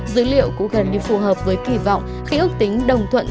dữ liệu cũng gần như phù hợp với kỳ vọng khi ước tính đồng thuận